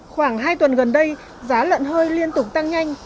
khoảng hai tuần gần đây giá lợn hơi liên tục tăng nhanh